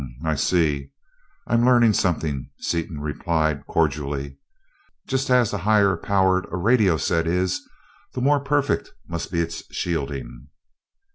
"Hm ... m, I see I'm learning something," Seaton replied cordially. "Just as the higher powered a radio set is, the more perfect must be its shielding?"